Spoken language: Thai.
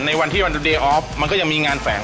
ในวันที่วันเดย์ออฟมันก็ยังมีงานแฝง